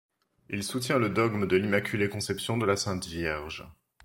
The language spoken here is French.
Il soutient le dogme de l'immaculée conception de la Sainte Vierge.